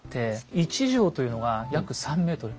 １丈というのが約３ｍ。